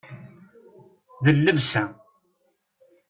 D llebsa.